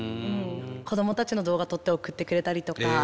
子供たちの動画撮って送ってくれたりとか。